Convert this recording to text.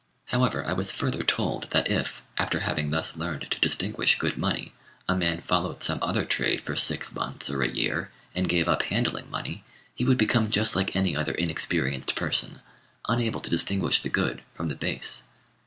However, I was further told that if, after having thus learned to distinguish good money, a man followed some other trade for six months or a year, and gave up handling money, he would become just like any other inexperienced person, unable to distinguish the good from the base.